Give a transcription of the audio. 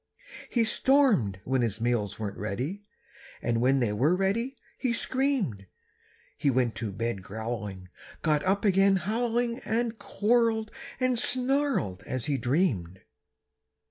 He stormed when his meals weren't ready, And when they were ready, he screamed. He went to bed growling, got up again howling And quarreled and snarled as he dreamed.